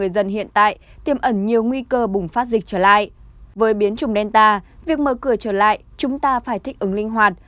với biến chủng delta việc mở cửa trở lại chúng ta phải thích ứng linh hoạt